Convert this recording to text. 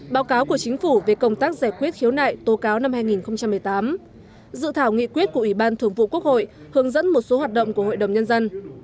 báo cáo của chính phủ về công tác giải quyết khiếu nại tố cáo năm hai nghìn một mươi tám dự thảo nghị quyết của ủy ban thường vụ quốc hội hướng dẫn một số hoạt động của hội đồng nhân dân